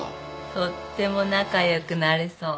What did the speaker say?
とっても仲良くなれそう。